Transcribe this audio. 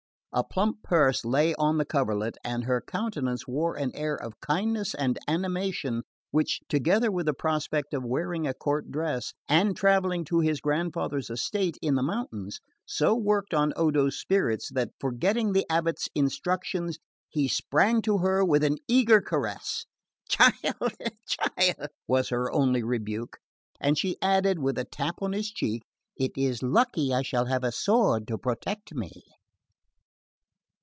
A plump purse lay on the coverlet, and her countenance wore an air of kindness and animation which, together with the prospect of wearing a court dress and travelling to his grandfather's castle in the mountains, so worked on Odo's spirits that, forgetting the abate's instructions, he sprang to her with an eager caress. "Child, child," was her only rebuke; and she added, with a tap on his cheek: "It is lucky I shall have a sword to protect me."